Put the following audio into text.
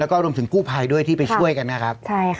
แล้วก็รวมถึงกู้ภัยด้วยที่ไปช่วยกันนะครับ